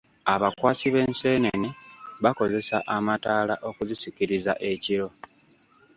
Abakwasi b'enseenene bakozesa amataala okuzisikiriza ekiro.